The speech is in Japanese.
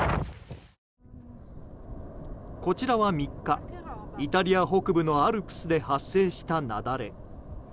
こちらは３日、イタリア北部のアルプスで発生した雪崩。